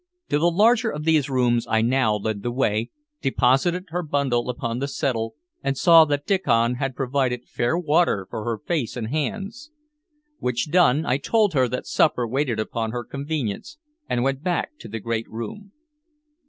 To the larger of these rooms I now led the way, deposited her bundle upon the settle, and saw that Diccon had provided fair water for her face and hands; which done, I told her that supper waited upon her convenience, and went back to the great room.